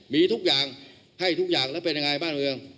มีทุกอย่างให้ทุกอย่างแล้วเป็นยังไงบ้านเมือง